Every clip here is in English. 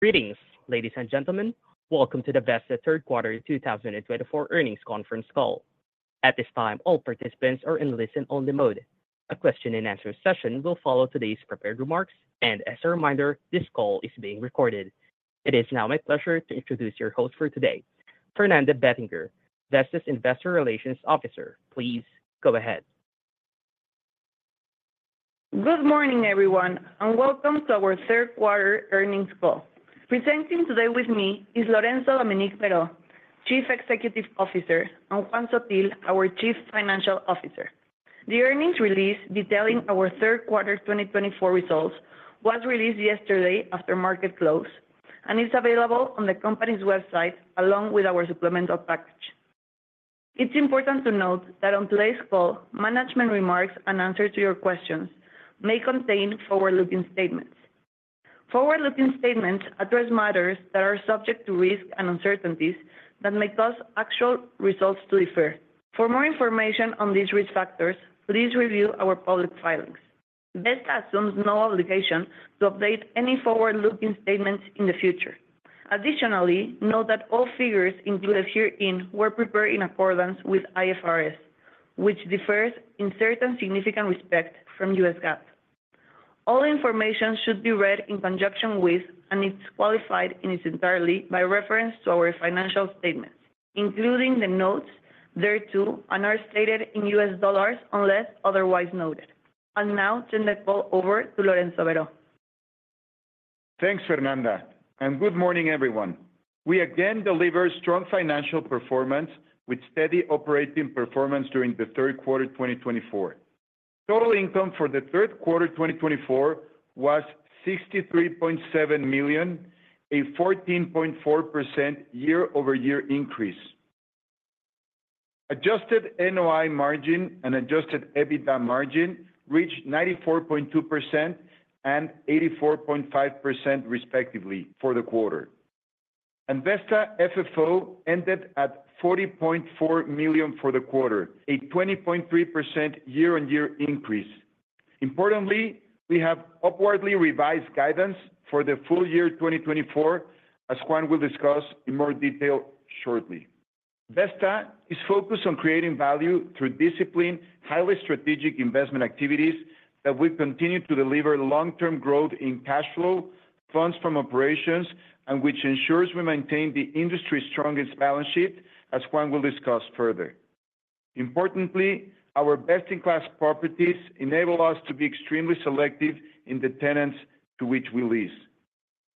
Greetings, ladies and gentlemen. Welcome to the Vesta Third Quarter 2024 Earnings Conference Call. At this time, all participants are in listen-only mode. A question and answer session will follow today's prepared remarks, and as a reminder, this call is being recorded. It is now my pleasure to introduce your host for today, Fernanda Bettinger, Vesta's Investor Relations Officer. Please go ahead. Good morning, everyone, and welcome to our third quarter earnings call. Presenting today with me is Lorenzo Dominique Berho, Chief Executive Officer, and Juan Sottil, our Chief Financial Officer. The earnings release detailing our third quarter 2024 results was released yesterday after market close, and is available on the company's website, along with our supplemental package. It's important to note that on today's call, management remarks and answers to your questions may contain forward-looking statements. Forward-looking statements address matters that are subject to risks and uncertainties that may cause actual results to differ. For more information on these risk factors, please review our public filings. Vesta assumes no obligation to update any forward-looking statements in the future. Additionally, note that all figures included herein were prepared in accordance with IFRS, which differs in certain significant respects from U.S. GAAP. All information should be read in conjunction with and is qualified in its entirety by reference to our financial statements, including the notes thereto, and are stated in U.S. dollars, unless otherwise noted. I'll now turn the call over to Lorenzo Berho. Thanks, Fernanda, and good morning, everyone. We again delivered strong financial performance with steady operating performance during the third quarter of 2024. Total income for the third quarter of 2024 was $63.7 million, a 14.4% year-over-year increase. Adjusted NOI margin and adjusted EBITDA margin reached 94.2% and 84.5%, respectively, for the quarter. And Vesta FFO ended at $40.4 million for the quarter, a 20.3% year-on-year increase. Importantly, we have upwardly revised guidance for the full year 2024, as Juan will discuss in more detail shortly. Vesta is focused on creating value through disciplined, highly strategic investment activities that will continue to deliver long-term growth in cash flow, funds from operations, and which ensures we maintain the industry's strongest balance sheet, as Juan will discuss further. Importantly, our best-in-class properties enable us to be extremely selective in the tenants to which we lease.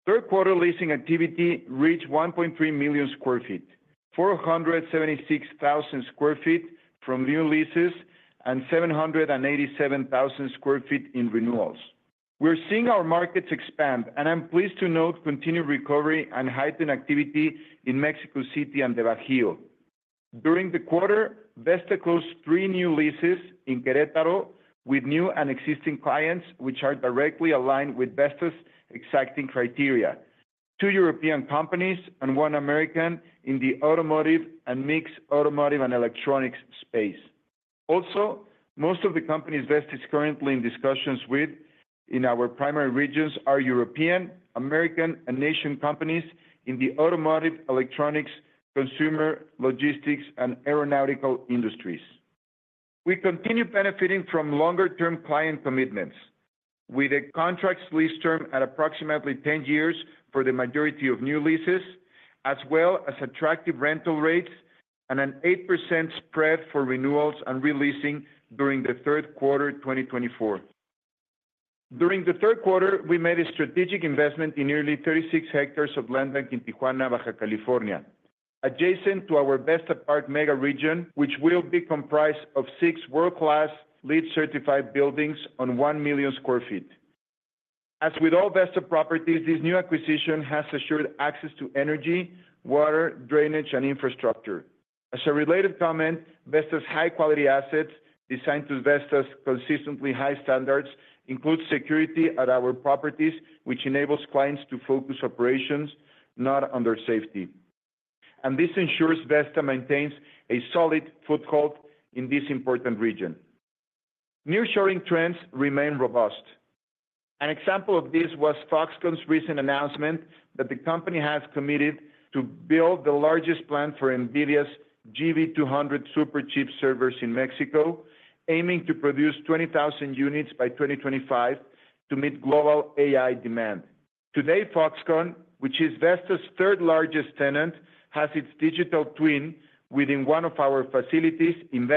Third quarter leasing activity reached 1.3 million sq. ft., 476,000 sq. ft. from new leases and 787,000 sq. ft. in renewals. We're seeing our markets expand, and I'm pleased to note continued recovery and heightened activity in Mexico City and the Bajío. During the quarter, Vesta closed three new leases in Querétaro with new and existing clients, which are directly aligned with Vesta's exacting criteria. Two European companies and one American in the automotive and mixed automotive and electronics space. Also, most of the companies Vesta is currently in discussions with in our primary regions are European, American, and Asian companies in the automotive, electronics, consumer, logistics, and aeronautical industries. We continue benefiting from longer-term client commitments, with the contracts lease term at approximately ten years for the majority of new leases, as well as attractive rental rates and an 8% spread for renewals and re-leasing during the third quarter, 2024. During the third quarter, we made a strategic investment in nearly 36 hectares of land bank in Tijuana, Baja California, adjacent to our Vesta Park Mega Region, which will be comprised of six world-class, LEED-certified buildings on 1 million sq. ft. As with all Vesta properties, this new acquisition has assured access to energy, water, drainage, and infrastructure. As a related comment, Vesta's high-quality assets, designed to Vesta's consistently high standards, include security at our properties, which enables clients to focus operations, not on their safety. And this ensures Vesta maintains a solid foothold in this important region. Nearshoring trends remain robust. An example of this was Foxconn's recent announcement that the company has committed to build the largest plant for NVIDIA's GB200 superchip servers in Mexico, aiming to produce twenty thousand units by twenty twenty-five to meet global AI demand. Today, Foxconn, which is Vesta's third-largest tenant, has its digital twin within one of our facilities in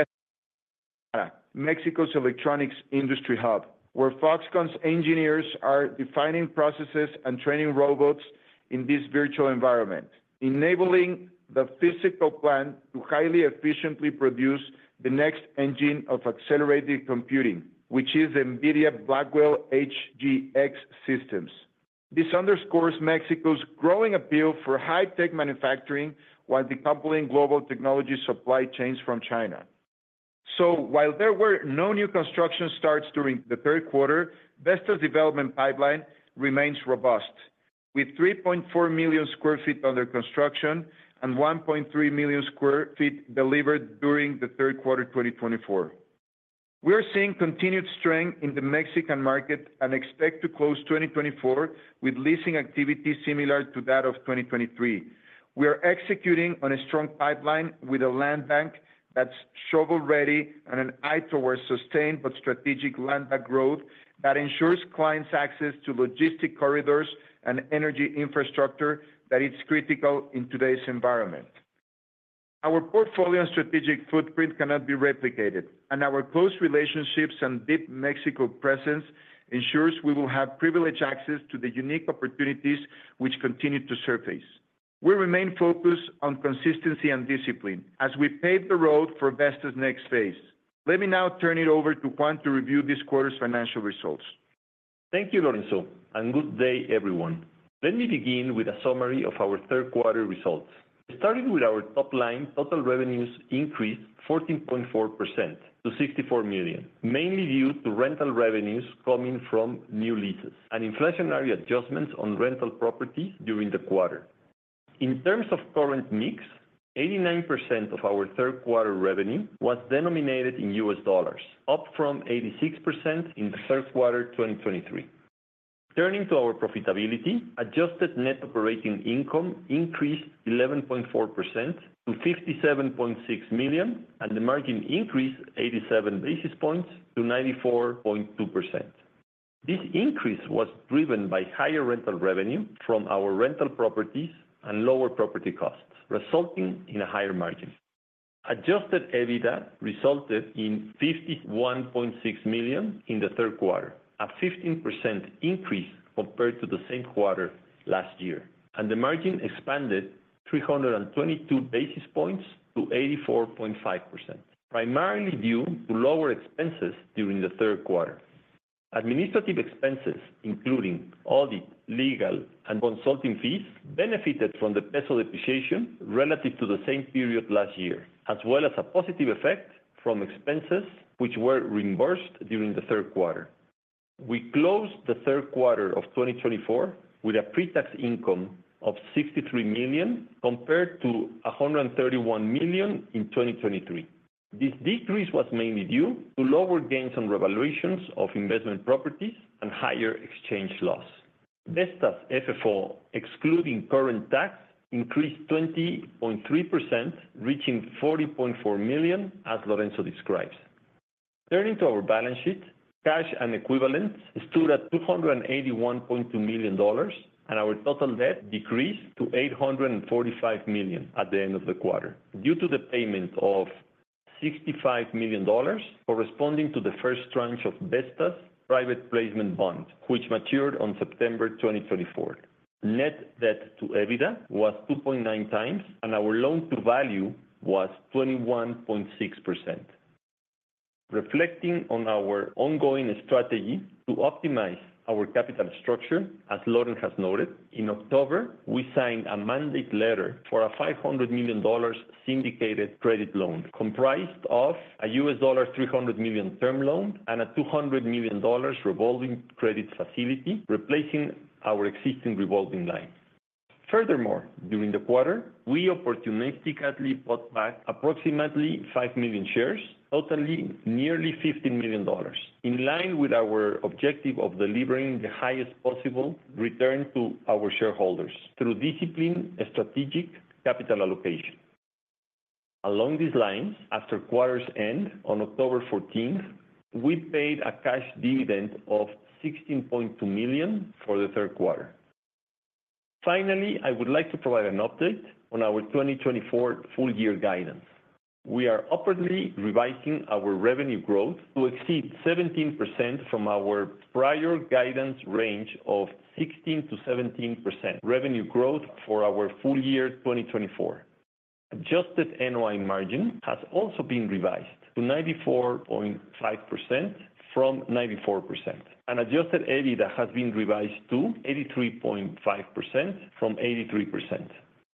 Mexico's electronics industry hub, where Foxconn's engineers are defining processes and training robots in this virtual environment, enabling the physical plant to highly efficiently produce the next engine of accelerated computing, which is NVIDIA Blackwell HGX systems. This underscores Mexico's growing appeal for high-tech manufacturing while decoupling global technology supply chains from China. While there were no new construction starts during the third quarter, Vesta's development pipeline remains robust, with 3.4 million sq. ft. under construction and 1.3 million sq. ft. delivered during the third quarter, 2024. We're seeing continued strength in the Mexican market and expect to close 2024 with leasing activity similar to that of 2023. We are executing on a strong pipeline with a land bank that's shovel-ready and an eye towards sustained but strategic land bank growth that ensures clients access to logistic corridors and energy infrastructure that is critical in today's environment. Our portfolio and strategic footprint cannot be replicated, and our close relationships and deep Mexico presence ensures we will have privileged access to the unique opportunities which continue to surface. We remain focused on consistency and discipline as we pave the road for Vesta's next phase. Let me now turn it over to Juan to review this quarter's financial results. Thank you, Lorenzo, and good day, everyone. Let me begin with a summary of our third quarter results. Starting with our top line, total revenues increased 14.4% to $64 million, mainly due to rental revenues coming from new leases and inflationary adjustments on rental properties during the quarter. In terms of current mix, 89% of our third quarter revenue was denominated in U.S. dollars, up from 86% in the third quarter of 2023. Turning to our profitability, adjusted net operating income increased 11.4% to $57.6 million, and the margin increased 87 basis points to 94.2%. This increase was driven by higher rental revenue from our rental properties and lower property costs, resulting in a higher margin. Adjusted EBITDA resulted in $51.6 million in the third quarter, a 15% increase compared to the same quarter last year, and the margin expanded 322 basis points to 84.5%, primarily due to lower expenses during the third quarter. Administrative expenses, including audit, legal, and consulting fees, benefited from the peso depreciation relative to the same period last year, as well as a positive effect from expenses which were reimbursed during the third quarter. We closed the third quarter of 2024 with a pre-tax income of $63 million, compared to $131 million in 2023. This decrease was mainly due to lower gains on revaluations of investment properties and higher exchange loss. Vesta's FFO, excluding current tax, increased 20.3%, reaching $40.4 million, as Lorenzo described. Turning to our balance sheet, cash and equivalents stood at $281.2 million, and our total debt decreased to $845 million at the end of the quarter, due to the payment of $65 million corresponding to the first tranche of Vesta's private placement bond, which matured on September 2024. Net debt to EBITDA was 2.9 times, and our loan to value was 21.6%. Reflecting on our ongoing strategy to optimize our capital structure, as Lorenzo has noted, in October, we signed a mandate letter for a $500 million syndicated credit loan, comprised of a $300 million term loan and a $200 million revolving credit facility, replacing our existing revolving line. Furthermore, during the quarter, we opportunistically bought back approximately 5 million shares, totaling nearly $15 million, in line with our objective of delivering the highest possible return to our shareholders through disciplined strategic capital allocation. Along these lines, after quarter's end, on October fourteenth, we paid a cash dividend of $16.2 million for the third quarter. Finally, I would like to provide an update on our 2024 full year guidance. We are upwardly revising our revenue growth to exceed 17% from our prior guidance range of 16%-17% revenue growth for our full year 2024. Adjusted NOI margin has also been revised to 94.5% from 94%, and adjusted EBITDA has been revised to 83.5% from 83%.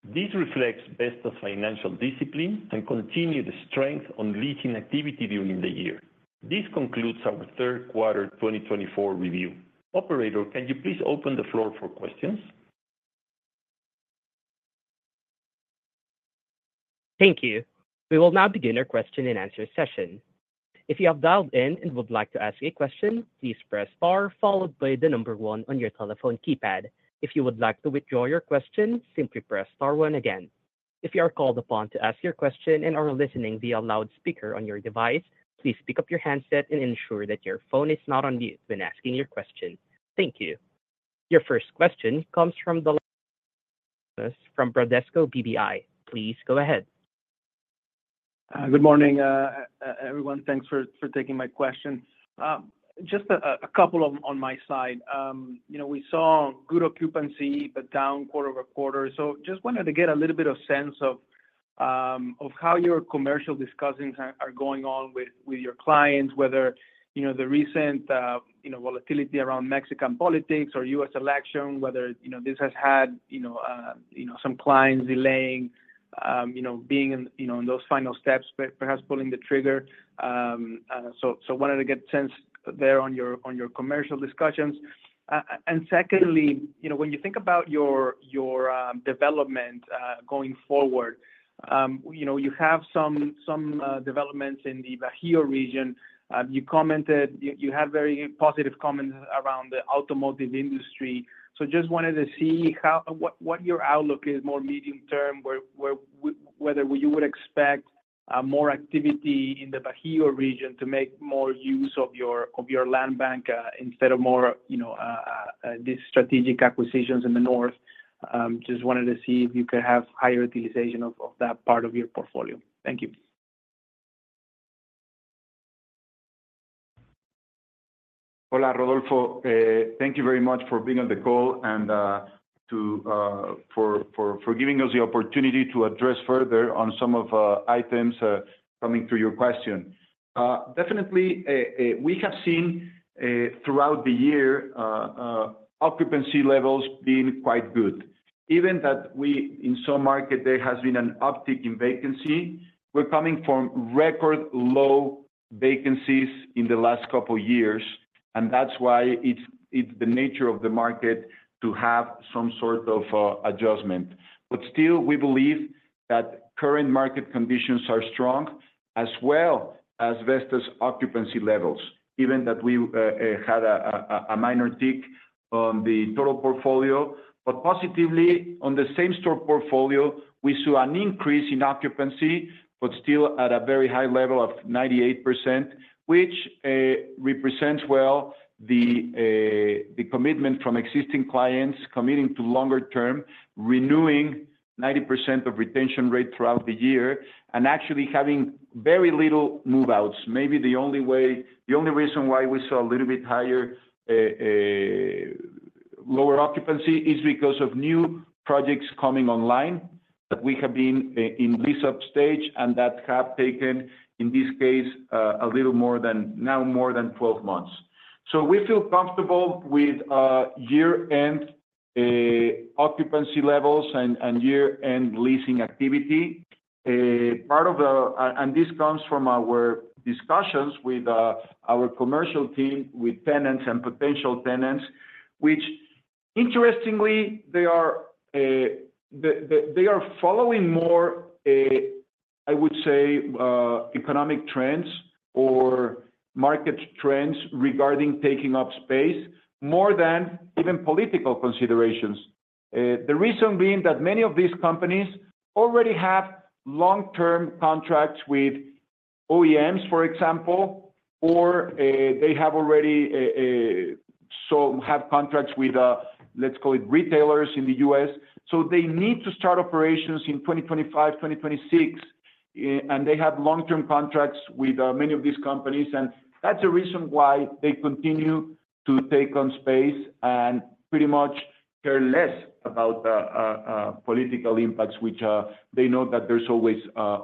This reflects Vesta's financial discipline and continued strength on leasing activity during the year. This concludes our third quarter 2024 review. Operator, can you please open the floor for questions? Thank you. We will now begin our question-and-answer session. If you have dialed in and would like to ask a question, please press star, followed by the number one on your telephone keypad. If you would like to withdraw your question, simply press star one again. If you are called upon to ask your question and are listening via loudspeaker on your device, please pick up your handset and ensure that your phone is not on mute when asking your question. Thank you. Your first question comes from Bradesco BBI. Please go ahead. Good morning, everyone. Thanks for taking my question. Just a couple of them on my side. You know, we saw good occupancy, but down quarter over quarter. So just wanted to get a little bit of sense of how your commercial discussions are going on with your clients, whether you know the recent volatility around Mexican politics or U.S. election, whether you know this has had you know some clients delaying you know being in you know in those final steps, but perhaps pulling the trigger. So wanted to get a sense there on your commercial discussions. And secondly, you know, when you think about your development going forward, you know, you have some developments in the Bajío region. You commented you have very positive comments around the automotive industry. So just wanted to see how what your outlook is, more medium term, where whether you would expect more activity in the Bajío region to make more use of your land bank instead of more, you know, these strategic acquisitions in the north. Just wanted to see if you could have higher utilization of that part of your portfolio. Thank you. Hola, Rodolfo. Thank you very much for being on the call and for giving us the opportunity to address further on some of items coming through your question. Definitely, we have seen throughout the year occupancy levels being quite good. Even that we, in some market, there has been an uptick in vacancy. We're coming from record low vacancies in the last couple of years, and that's why it's the nature of the market to have some sort of adjustment. But still, we believe that current market conditions are strong, as well as Vesta's occupancy levels, even that we had a minor tick on the total portfolio. But positively, on the same store portfolio, we saw an increase in occupancy, but still at a very high level of 98%, which represents well the commitment from existing clients committing to longer term, renewing 90% retention rate throughout the year, and actually having very little move-outs. The only reason why we saw a little bit higher lower occupancy is because of new projects coming online, that we have been in lease-up stage, and that have taken, in this case, a little more than now more than 12 months. So we feel comfortable with year-end occupancy levels and year-end leasing activity. Part of the and this comes from our discussions with our commercial team, with tenants and potential tenants, which interestingly, they are following more, I would say, economic trends or market trends regarding taking up space, more than even political considerations. The reason being that many of these companies already have long-term contracts with OEMs, for example, or they already have contracts with, let's call it, retailers in the U.S. So they need to start operations in 2025, 2026, and they have long-term contracts with many of these companies, and that's the reason why they continue to take on space and pretty much care less about political impacts, which they know that there's always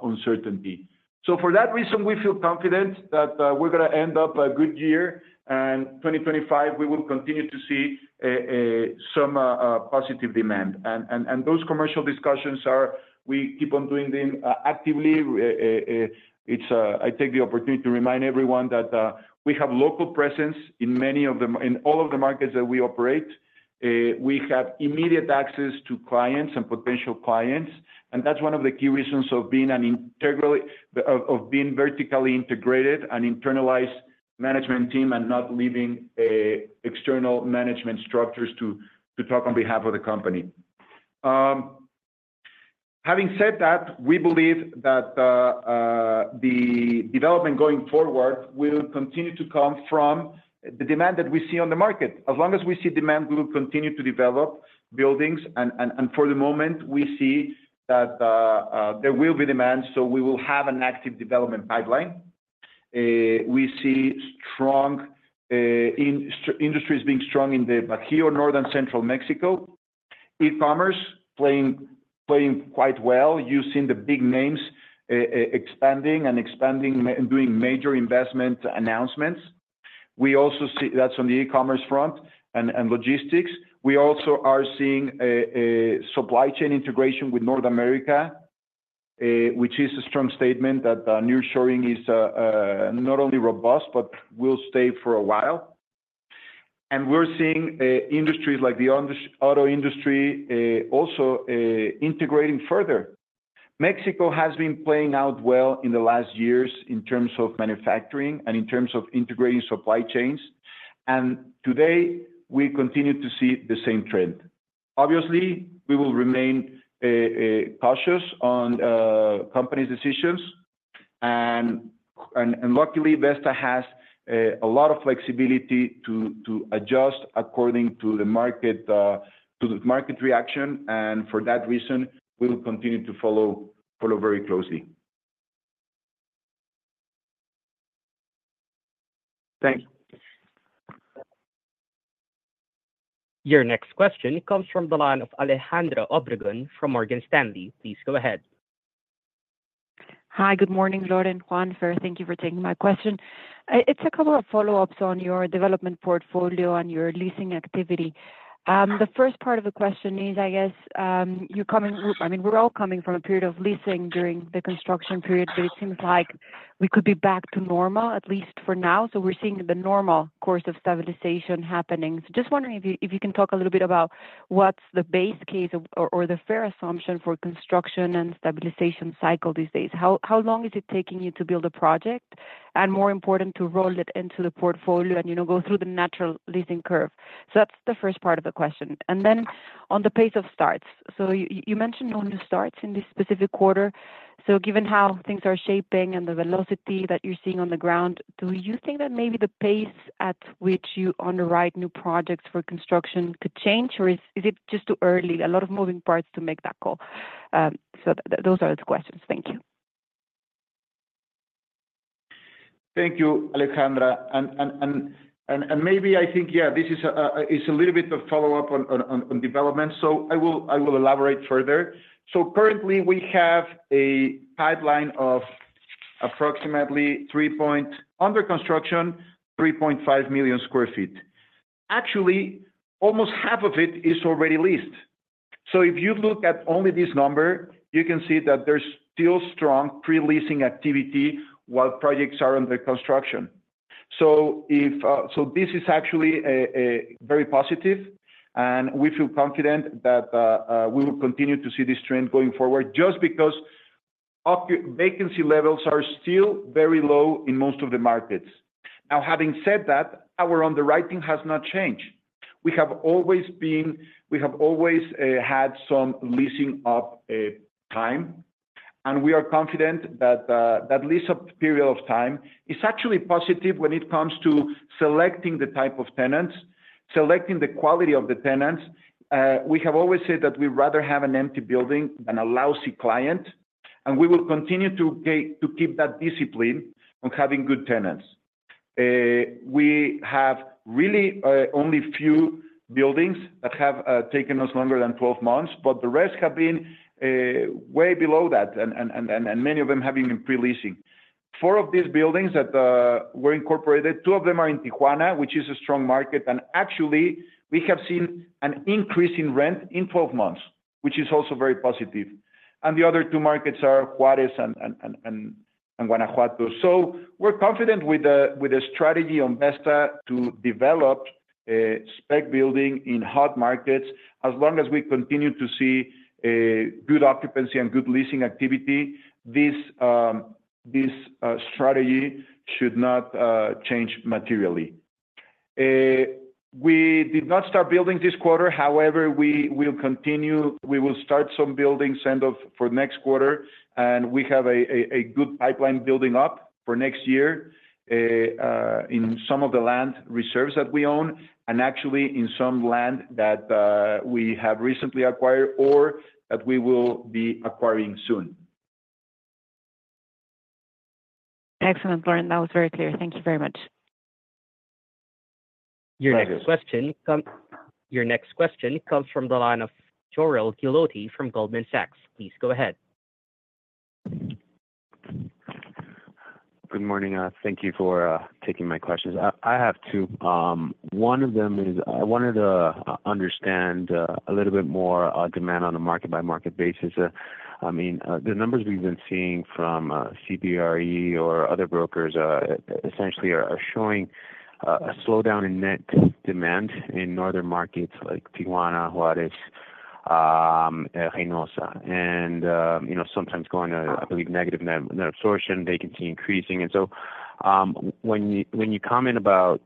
uncertainty. So for that reason, we feel confident that we're going to end up a good year, and 2025, we will continue to see some positive demand. And those commercial discussions are. We keep on doing them actively. It's I take the opportunity to remind everyone that we have local presence in all of the markets that we operate. We have immediate access to clients and potential clients, and that's one of the key reasons of being vertically integrated and internalized management team and not leaving a external management structures to talk on behalf of the company. Having said that, we believe that the development going forward will continue to come from the demand that we see on the market. As long as we see demand, we will continue to develop buildings, and for the moment, we see that there will be demand, so we will have an active development pipeline. We see strong industries being strong in the Bajío, North and Central Mexico. E-commerce playing quite well, you've seen the big names expanding and doing major investment announcements. We also see that's on the e-commerce front and logistics. We also are seeing a supply chain integration with North America, which is a strong statement that nearshoring is not only robust, but will stay for a while. We're seeing industries like the auto industry also integrating further. Mexico has been playing out well in the last years in terms of manufacturing and in terms of integrating supply chains, and today, we continue to see the same trend. Obviously, we will remain cautious on company's decisions, and luckily, Vesta has a lot of flexibility to adjust according to the market, to the market reaction, and for that reason, we will continue to follow very closely. Thank you. Your next question comes from the line of Alejandra Obregón from Morgan Stanley. Please go ahead. Hi, good morning, Lorenzo, Juan. Thank you for taking my question. It's a couple of follow-ups on your development portfolio and your leasing activity. The first part of the question is, I guess, you're coming. I mean, we're all coming from a period of leasing during the construction period, but it seems like we could be back to normal, at least for now. So we're seeing the normal course of stabilization happening. So just wondering if you, if you can talk a little bit about what's the base case or, or the fair assumption for construction and stabilization cycle these days. How, how long is it taking you to build a project? And more important, to roll it into the portfolio and, you know, go through the natural leasing curve. So that's the first part of the question. And then on the pace of starts. You mentioned no new starts in this specific quarter. Given how things are shaping and the velocity that you're seeing on the ground, do you think that maybe the pace at which you underwrite new projects for construction could change, or is it just too early, a lot of moving parts to make that call? Those are the questions. Thank you. Thank you, Alejandra. And maybe I think, yeah, this is a little bit of follow-up on development, so I will elaborate further. So currently, we have a pipeline of approximately 3.5 million sq. ft. under construction. Actually, almost half of it is already leased. So if you look at only this number, you can see that there's still strong pre-leasing activity while projects are under construction. So this is actually a very positive, and we feel confident that we will continue to see this trend going forward, just because vacancy levels are still very low in most of the markets. Now, having said that, our underwriting has not changed. We have always had some lease-up time, and we are confident that that lease-up period of time is actually positive when it comes to selecting the type of tenants, selecting the quality of the tenants. We have always said that we rather have an empty building than a lousy client, and we will continue to keep that discipline on having good tenants. We have really only few buildings that have taken us longer than twelve months, but the rest have been way below that, and many of them have been in pre-leasing. Four of these buildings that were incorporated, two of them are in Tijuana, which is a strong market, and actually, we have seen an increase in rent in twelve months, which is also very positive. The other two markets are Juárez and Guanajuato. We're confident with the strategy on Vesta to develop spec building in hot markets. As long as we continue to see good occupancy and good leasing activity, this strategy should not change materially. We did not start building this quarter, however, we will continue. We will start some buildings end of for next quarter, and we have a good pipeline building up for next year in some of the land reserves that we own, and actually in some land that we have recently acquired or that we will be acquiring soon. Excellent, Lauren, that was very clear. Thank you very much. Thank you. Your next question comes from the line of Jorel Guilloty from Goldman Sachs. Please go ahead. Good morning, thank you for taking my questions. I have two. One of them is I wanted to understand a little bit more demand on a market-by-market basis. I mean, the numbers we've been seeing from CBRE or other brokers essentially are showing a slowdown in net demand in northern markets like Tijuana, Juárez, Reynosa, and you know, sometimes going to, I believe, negative net absorption, vacancy increasing. So, when you comment about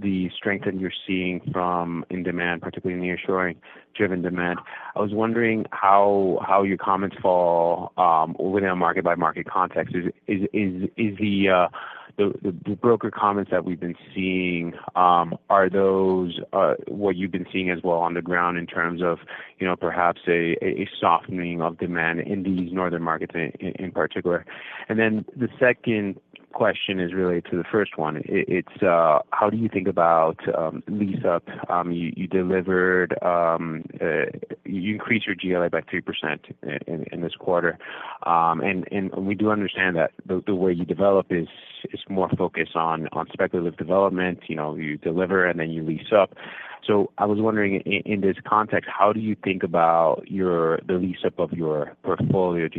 the strength that you're seeing from in demand, particularly in the nearshoring driven demand, I was wondering how your comments fall within a market-by-market context. Are the broker comments that we've been seeing are those what you've been seeing as well on the ground in terms of, you know, perhaps a softening of demand in these northern markets in particular? And then the second question is really to the first one. It's how do you think about lease-up? You increased your GLA by 3% in this quarter. And we do understand that the way you develop is more focused on speculative development. You know, you deliver, and then you lease up. So I was wondering in this context, how do you think about the lease-up of your portfolio? Do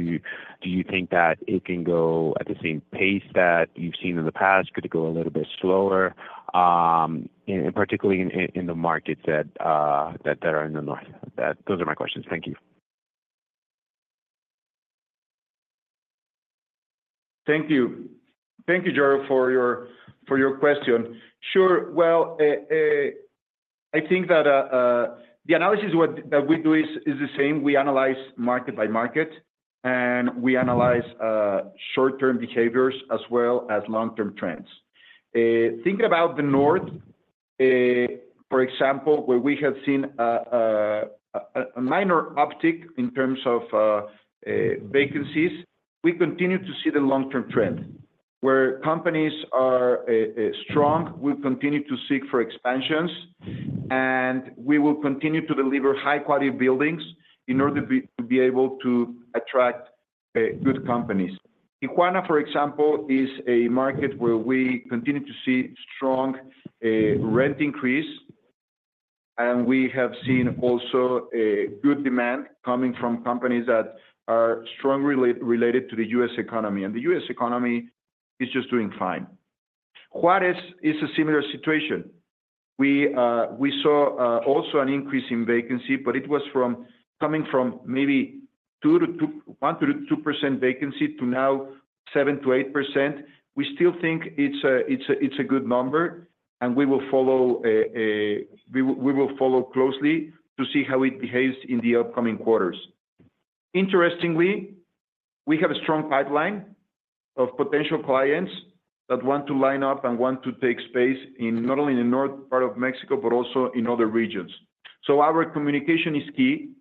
you think that it can go at the same pace that you've seen in the past? Could it go a little bit slower, and particularly in the markets that are in the north? Those are my questions. Thank you. Thank you. Thank you, Jorel, for your question. Sure. Well, I think that the analysis that we do is the same. We analyze market by market, and we analyze short-term behaviors as well as long-term trends. Thinking about the North, for example, where we have seen a minor uptick in terms of vacancies, we continue to see the long-term trend. Where companies are strong, we continue to seek for expansions, and we will continue to deliver high-quality buildings in order to be able to attract good companies. Tijuana, for example, is a market where we continue to see strong rent increase, and we have seen also a good demand coming from companies that are strongly related to the U.S. economy. The U.S. economy is just doing fine. Juárez is a similar situation. We saw also an increase in vacancy, but it was from maybe 1%-2% vacancy to now 7%-8%. We still think it's a good number, and we will follow closely to see how it behaves in the upcoming quarters. Interestingly, we have a strong pipeline of potential clients that want to line up and want to take space not only in the north part of Mexico, but also in other regions. Our communication is key,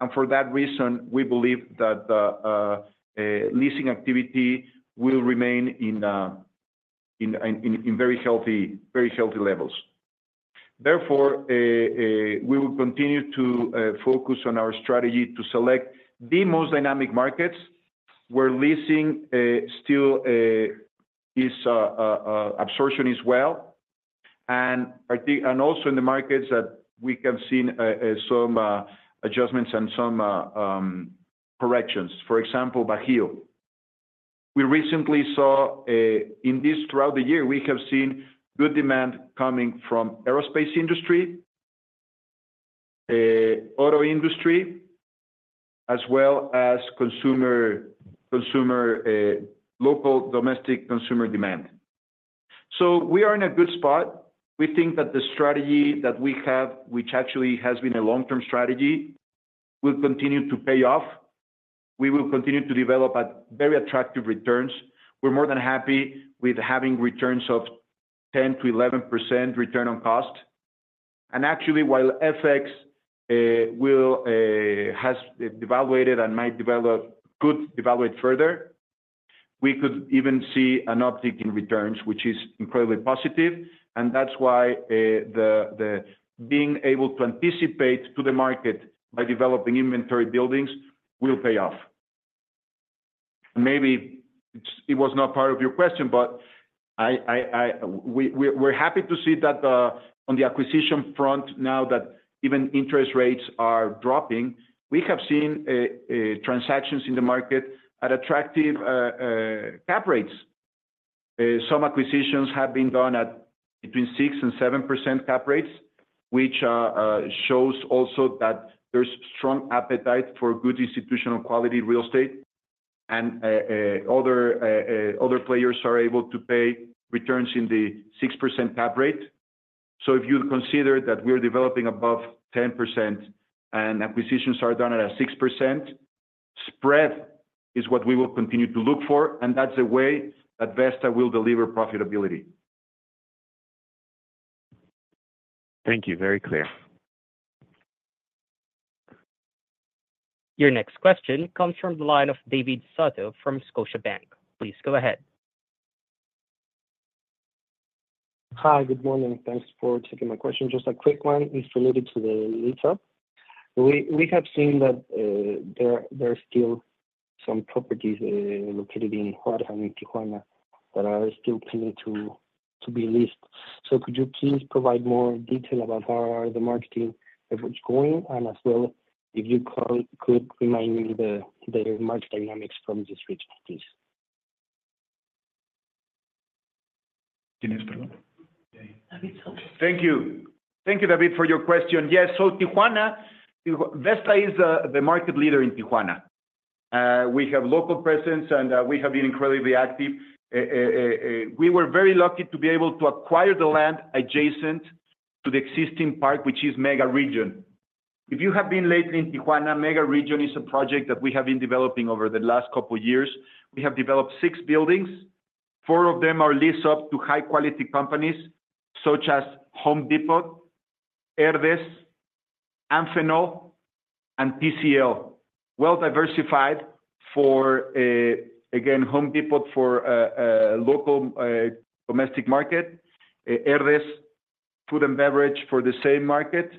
and for that reason, we believe that leasing activity will remain at very healthy levels. Therefore, we will continue to focus on our strategy to select the most dynamic markets where leasing absorption as well. And I think. And also in the markets that we have seen some adjustments and some corrections. For example, Bajío. We recently saw in this. Throughout the year, we have seen good demand coming from aerospace industry, auto industry, as well as consumer local domestic consumer demand. So we are in a good spot. We think that the strategy that we have, which actually has been a long-term strategy, will continue to pay off. We will continue to develop at very attractive returns. We're more than happy with having returns of 10-11% return on cost. Actually, while FX has devaluated and might devaluate further, we could even see an uptick in returns, which is incredibly positive, and that's why being able to anticipate to the market by developing inventory buildings will pay off. Maybe it was not part of your question, but we're happy to see that on the acquisition front, now that even interest rates are dropping, we have seen transactions in the market at attractive cap rates. Some acquisitions have been done at between 6% and 7% cap rates, which shows also that there's strong appetite for good institutional quality real estate, and other players are able to pay returns in the 6% cap rate. So if you consider that we are developing above 10%, and acquisitions are done at a 6%, spread is what we will continue to look for, and that's the way that Vesta will deliver profitability. Thank you. Very clear. Your next question comes from the line of David Soto from Scotiabank. Please go ahead. Hi, good morning. Thanks for taking my question. Just a quick one, it's related to the lease-up. We have seen that there are still some properties located in Juárez and Tijuana that are still planning to be leased. So could you please provide more detail about how are the marketing efforts going, and as well, if you could remind me the market dynamics from these regions, please? Thank you. Thank you, David, for your question. Yes, so Tijuana, Vesta is the market leader in Tijuana. We have local presence, and we have been incredibly active. We were very lucky to be able to acquire the land adjacent to the existing park, which is Mega Region. If you have been lately in Tijuana, Mega Region is a project that we have been developing over the last couple years. We have developed six buildings. Four of them are leased up to high-quality companies such as Home Depot, Herdez, Amphenol, and TCL. Well-diversified for, again, Home Depot for local domestic market, Herdez, food and beverage for the same market,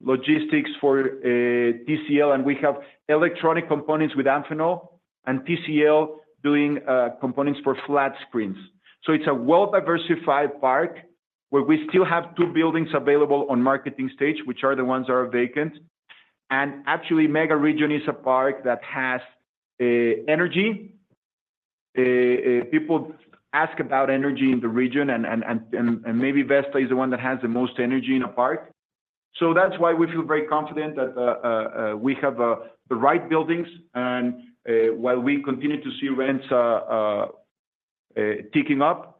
logistics for TCL, and we have electronic components with Amphenol, and TCL doing components for flat screens. It's a well-diversified park, where we still have two buildings available on marketing stage, which are the ones that are vacant. Actually, Mega Region is a park that has energy. People ask about energy in the region and maybe Vesta is the one that has the most energy in the park. That's why we feel very confident that we have the right buildings, and while we continue to see rents ticking up,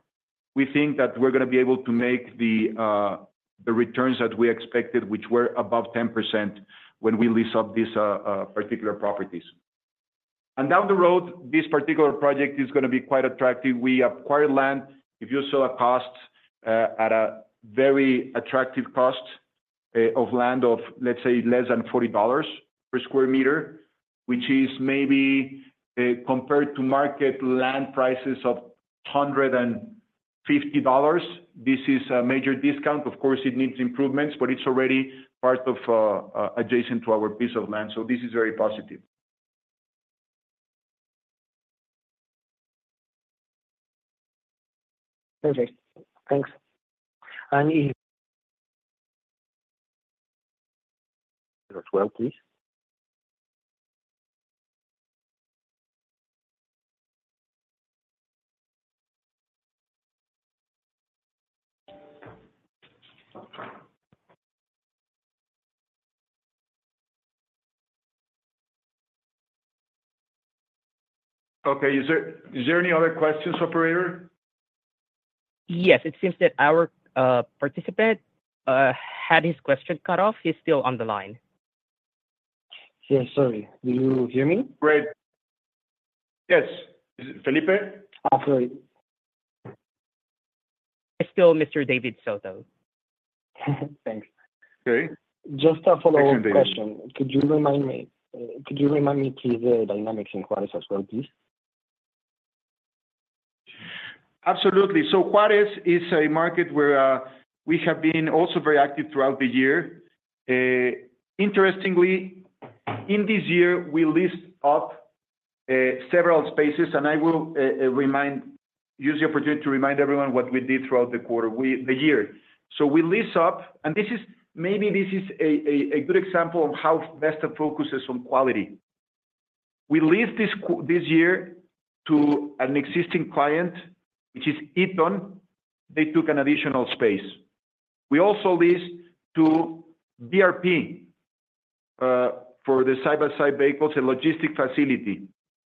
we think that we're gonna be able to make the returns that we expected, which were above 10%, when we lease up these particular properties. And down the road, this particular project is gonna be quite attractive. We acquired land, if you saw a cost, at a very attractive cost. of land, let's say, less than $40 per sq. m., which is maybe, compared to market land prices of $150. This is a major discount. Of course, it needs improvements, but it's already part of, adjacent to our piece of land, so this is very positive. Okay, thanks. And he, as well, please. Okay. Is there any other questions, operator? Yes, it seems that our participant had his question cut off. He's still on the line. Yes, sorry. Do you hear me? Great. Yes. Is it Felipe? Absolutely. Still Mr. David Soto. Thanks. Okay. Just a follow-up question. Thank you, David. Could you remind me to the dynamics in Juárez as well, please? Absolutely. So Juárez is a market where we have been also very active throughout the year. Interestingly, in this year, we leased up several spaces, and I will use the opportunity to remind everyone what we did throughout the year. So we leased up, and this is maybe a good example of how Vesta focuses on quality. We leased this year to an existing client, which is Eaton. They took an additional space. We also leased to BRP for the side-by-side vehicles and logistics facility,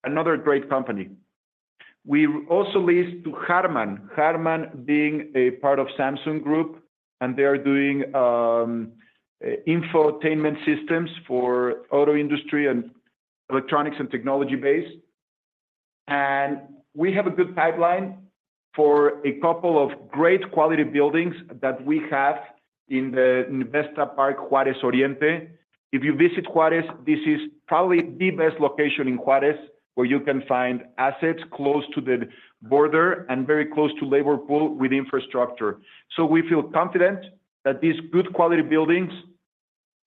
another great company. We also leased to Harman. Harman being a part of Samsung Group, and they are doing infotainment systems for auto industry and electronics and technology base. We have a good pipeline for a couple of great quality buildings that we have in Vesta Park Juárez Oriente. If you visit Juárez, this is probably the best location in Juárez, where you can find assets close to the border and very close to labor pool with infrastructure. We feel confident that these good quality buildings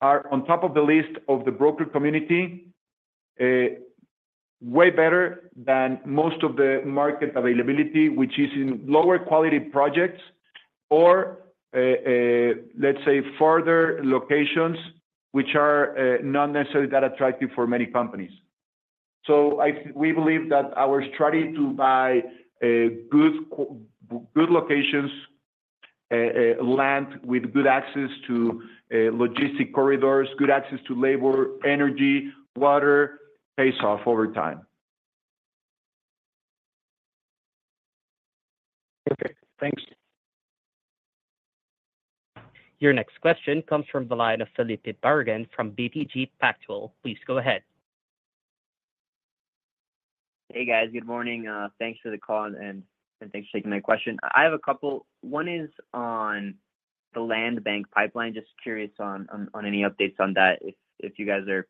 are on top of the list of the broker community, way better than most of the market availability, which is in lower quality projects or, let's say, further locations, which are not necessarily that attractive for many companies. We believe that our strategy to buy good locations, land with good access to logistic corridors, good access to labor, energy, water, pays off over time. Okay, thanks. Your next question comes from the line of Felipe Barragán from BTG Pactual. Please go ahead. Hey, guys. Good morning, thanks for the call, and thanks for taking my question. I have a couple. One is on the land bank pipeline. Just curious on any updates on that, if you guys are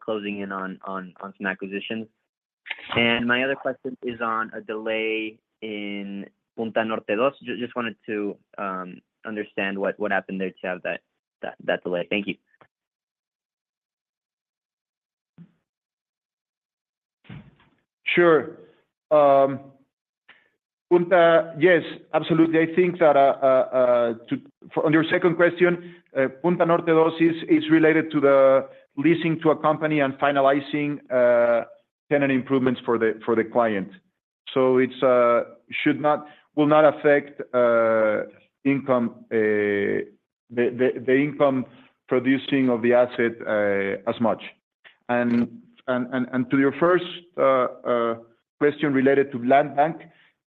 closing in on some acquisitions. And my other question is on a delay in Punta Norte Dos. Just wanted to understand what happened there to have that delay. Thank you. Sure. Punta... Yes, absolutely. I think that on your second question, Punta Norte Dos is related to the leasing to a company and finalizing tenant improvements for the client. So it's will not affect income, the income producing of the asset as much. And to your first question related to land bank,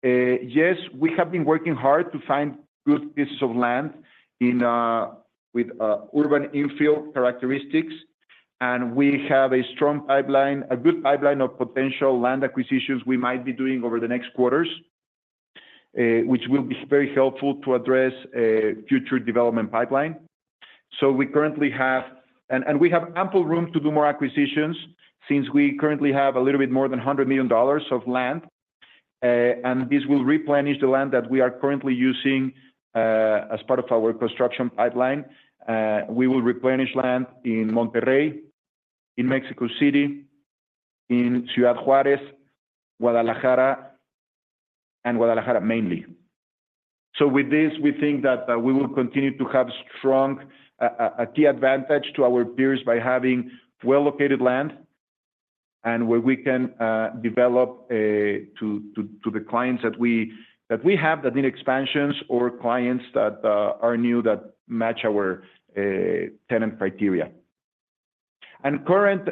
yes, we have been working hard to find good pieces of land in with urban infill characteristics, and we have a strong pipeline, a good pipeline of potential land acquisitions we might be doing over the next quarters, which will be very helpful to address future development pipeline. We currently have and we have ample room to do more acquisitions, since we currently have a little bit more than $100 million of land. And this will replenish the land that we are currently using as part of our construction pipeline. We will replenish land in Monterrey, in Mexico City, in Ciudad Juárez, Guadalajara, and Guadalajara, mainly. With this, we think that we will continue to have strong a key advantage to our peers by having well-located land, and where we can develop to the clients that we that we have that need expansions or clients that are new that match our tenant criteria. And current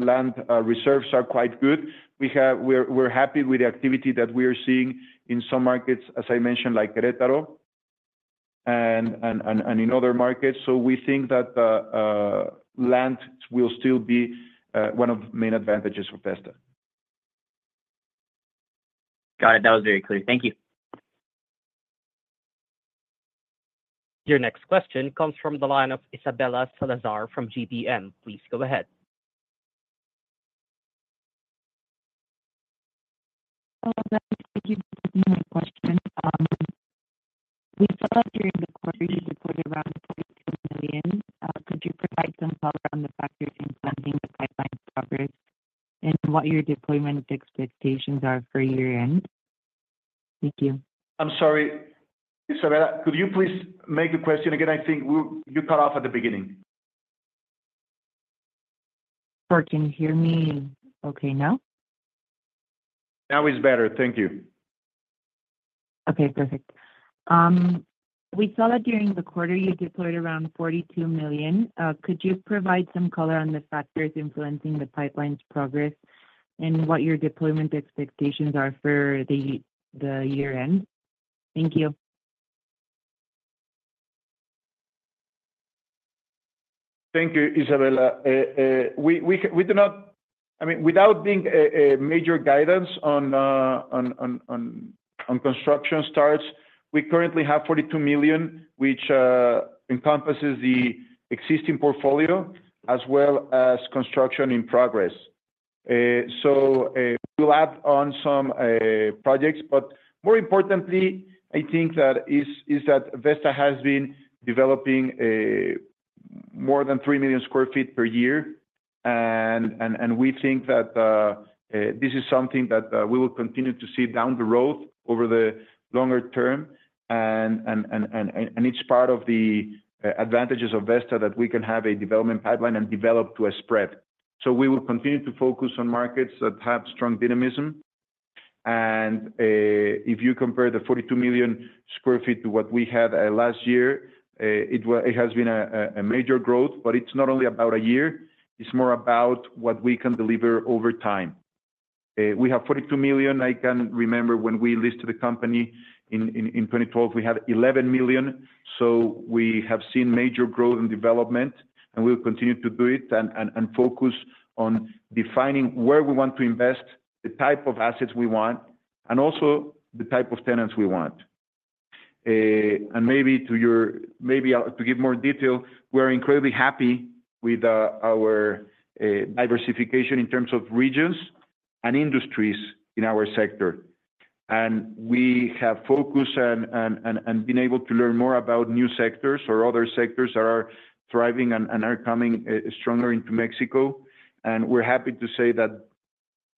land reserves are quite good. We're happy with the activity that we are seeing in some markets, as I mentioned, like Querétaro and in other markets. So we think that land will still be one of the main advantages for Vesta.... Got it. That was very clear. Thank you. Your next question comes from the line of Isabella Salazar from GBM. Please go ahead. Hello, thank you for taking my question. We saw that during the quarter you reported around $42 million. Could you provide some color on the factors influencing the pipeline's progress and what your deployment expectations are for year-end? Thank you. I'm sorry, Isabella, could you please make the question again? I think we-- you cut off at the beginning. Sure. Can you hear me okay now? Now is better. Thank you. Okay, perfect. We saw that during the quarter, you deployed around $42 million. Could you provide some color on the factors influencing the pipeline's progress, and what your deployment expectations are for the year end? Thank you. Thank you, Isabella. We do not, I mean, without being a major guidance on construction starts, we currently have 42 million, which encompasses the existing portfolio as well as construction in progress. So we'll add on some projects, but more importantly, I think that is that Vesta has been developing more than 3 million sq. ft. per year. And it's part of the advantages of Vesta that we can have a development pipeline and develop to a spread. So we will continue to focus on markets that have strong dynamism. If you compare the 42 million sq. ft. to what we had last year, it has been a major growth. It's not only about a year, it's more about what we can deliver over time. We have 42 million. I can remember when we listed the company in 2012, we had 11 million. We have seen major growth and development, and we will continue to do it and focus on defining where we want to invest, the type of assets we want, and also the type of tenants we want. Maybe to give more detail, we're incredibly happy with our diversification in terms of regions and industries in our sector. We have focused and been able to learn more about new sectors or other sectors that are thriving and are coming stronger into Mexico. We're happy to say that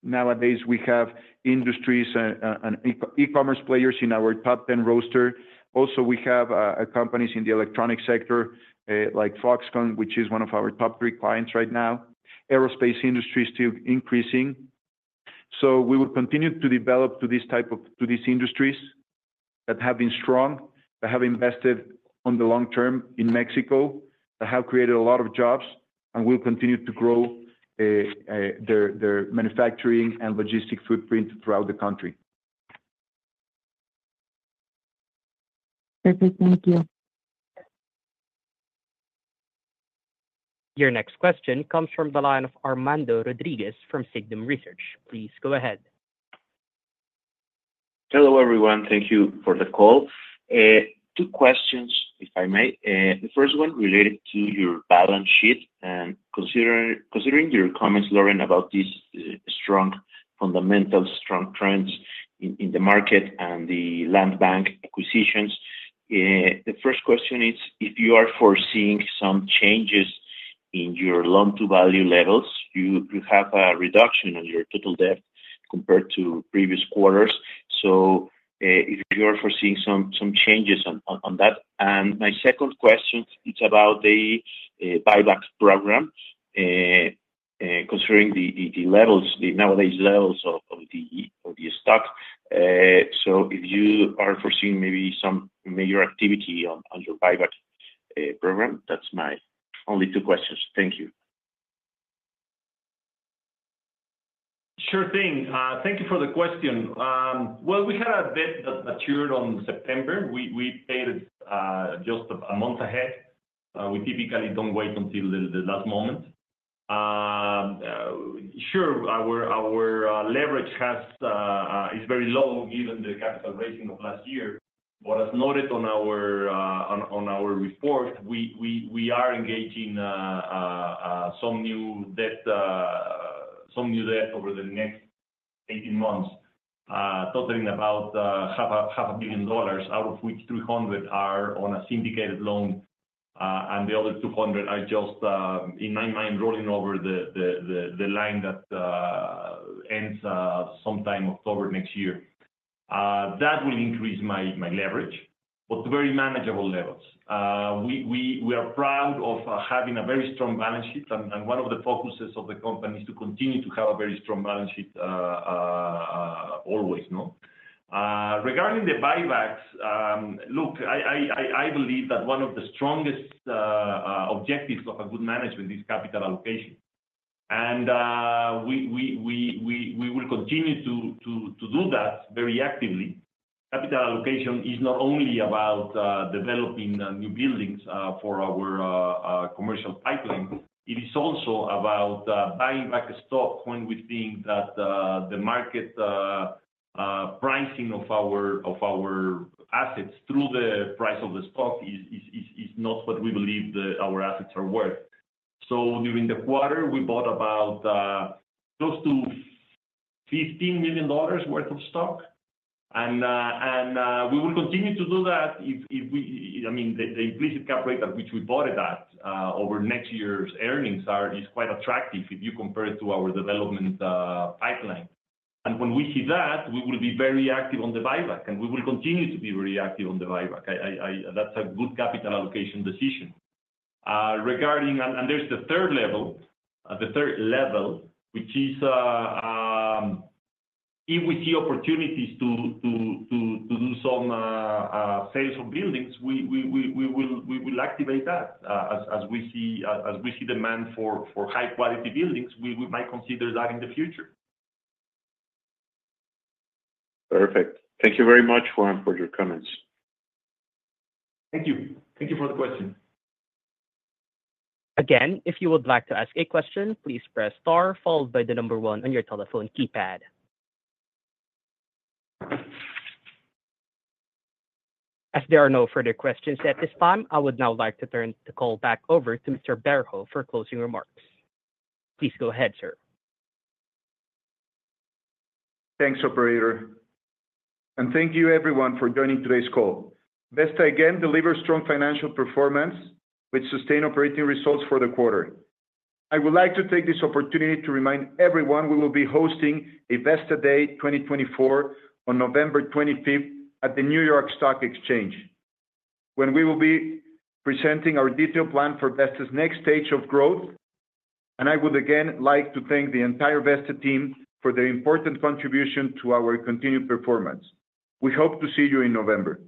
nowadays we have industries and e-commerce players in our top ten roster. Also, we have companies in the electronic sector like Foxconn, which is one of our top three clients right now. Aerospace industry is still increasing, so we will continue to develop to these industries that have been strong, that have invested on the long-term in Mexico, that have created a lot of jobs and will continue to grow their manufacturing and logistics footprint throughout the country. Perfect. Thank you. Your next question comes from the line of Armando Rodríguez from Signum Research. Please go ahead. Hello, everyone. Thank you for the call. Two questions, if I may. The first one related to your balance sheet, and considering your comments, Lorenzo, about these strong fundamentals, strong trends in the market and the land bank acquisitions. The first question is, if you are foreseeing some changes in your loan-to-value levels. You have a reduction on your total debt compared to previous quarters. So, if you are foreseeing some changes on that. And my second question, it's about the buyback program. Considering the levels, the nowadays levels of the stock. So if you are foreseeing maybe some major activity on your buyback program. That's my only two questions. Thank you. Sure thing. Thank you for the question. Well, we had a debt that matured on September. We paid it just a month ahead. We typically don't wait until the last moment. Sure, our leverage is very low given the capital raising of last year. What is noted on our report, we are engaging some new debt over the next eighteen months, totaling about $500 million, out of which $300 million are on a syndicated loan, and the other $200 million are just, in my mind, rolling over the line that ends sometime October next year. That will increase my leverage, but very manageable levels. We are proud of having a very strong balance sheet, and one of the focuses of the company is to continue to have a very strong balance sheet always, no? Regarding the buybacks, I believe that one of the strongest objectives of a good management is capital allocation. We will continue to do that very actively. ... capital allocation is not only about developing new buildings for our commercial pipeline, it is also about buying back the stock when we think that the market pricing of our assets through the price of the stock is not what we believe our assets are worth. So during the quarter, we bought about close to $15 million worth of stock. And we will continue to do that if we - I mean, the implicit cap rate at which we bought it at over next year's earnings is quite attractive if you compare it to our development pipeline. And when we see that, we will be very active on the buyback, and we will continue to be very active on the buyback. I, I, I... That's a good capital allocation decision. Regarding and there's the third level, which is, if we see opportunities to do some sales of buildings, we will activate that. As we see demand for high-quality buildings, we might consider that in the future. Perfect. Thank you very much, Juan, for your comments. Thank you. Thank you for the question. Again, if you would like to ask a question, please press star followed by the number one on your telephone keypad. As there are no further questions at this time, I would now like to turn the call back over to Mr. Berho for closing remarks. Please go ahead, sir. Thanks, operator, and thank you everyone for joining today's call. Vesta again delivers strong financial performance with sustained operating results for the quarter. I would like to take this opportunity to remind everyone we will be hosting a Vesta Day 2024 on November twenty-fifth at the New York Stock Exchange, when we will be presenting our detailed plan for Vesta's next stage of growth. And I would again like to thank the entire Vesta team for their important contribution to our continued performance. We hope to see you in November.